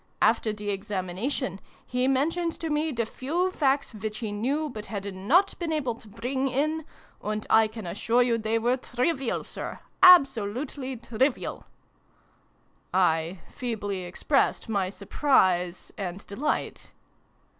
After the Examination, he mentioned to me the few facts which he knew but had not been able to bring in, and I can assure you they were trivial, Sir, absolutely trivial !" I feebly expressed my surprise and delight.